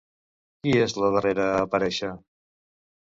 Qui és la darrera a aparèixer?